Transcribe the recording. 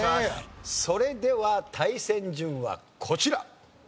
それでは対戦順はこちら。